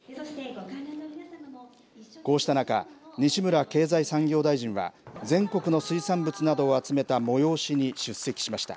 こうした中、西村経済産業大臣は、全国の水産物などを集めた催しに出席しました。